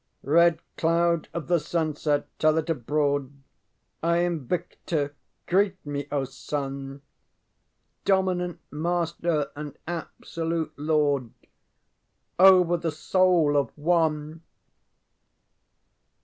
ŌĆ£Red cloud of the sunset, tell it abroad; I am victor. Greet me, O Sun, Dominant master and absolute lord Over the soul of one!